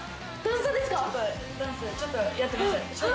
ダンスちょっとやってました。